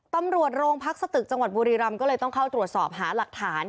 ตำรวจโรงพักสตึกจังหวัดบุรีรำก็เลยต้องเข้าตรวจสอบหาหลักฐาน